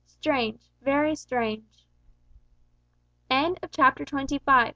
Strange! very strange!" CHAPTER TWENTY SIX.